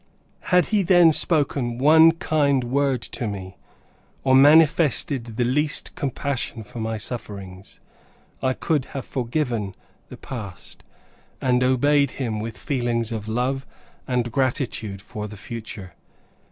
Had he then spoken one kind word to me, or manifested the least compassion for my sufferings, I could have forgiven the past, and obeyed him with feelings of love and gratitude for the future.